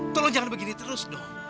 tolong jangan begini terus dong